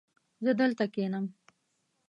زه دلته کښېنم